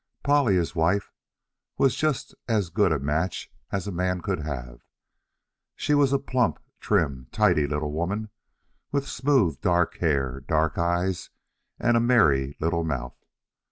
Polly, his wife, was just as good a match as a man could have. She was a plump, trim, tidy little woman, with smooth, dark hair, dark eyes, and a merry little mouth.